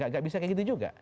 tidak bisa seperti itu juga